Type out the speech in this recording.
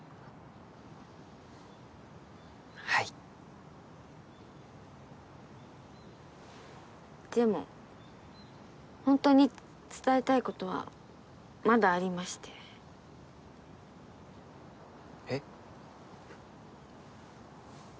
はいでも本当に伝えたいことはまだありましてえっ？